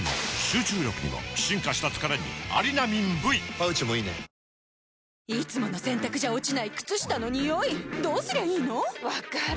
本麒麟いつもの洗たくじゃ落ちない靴下のニオイどうすりゃいいの⁉分かる。